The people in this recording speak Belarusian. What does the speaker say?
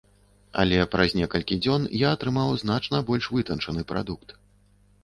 Але праз некалькі дзён я атрымаў значна больш вытанчаны прадукт.